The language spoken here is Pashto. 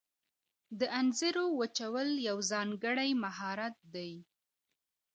د انځرو وچول یو ځانګړی مهارت دی.